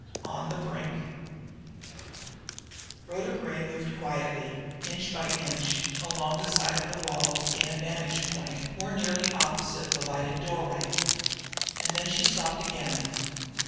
ON THE BRINK Rhoda Gray moved quietly, inch by inch, along the side of the wall to gain a point of vantage more nearly opposite the lighted doorway. And then she stopped again.